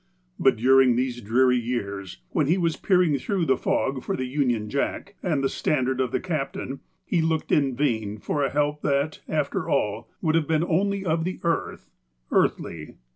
But, during these dreary years, when he was peering through the fog for the Union Jack, and the standard of the captain, he looked in vain for a help that, after all, would have been only of the earth, earthly.